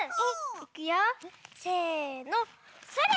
いくよせのそれ！